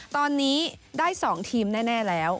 ตอนนี้ได้๒ทีมแน่แล้ว